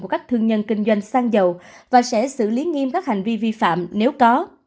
của các thương nhân kinh doanh xăng dầu và sẽ xử lý nghiêm các hành vi vi phạm nếu có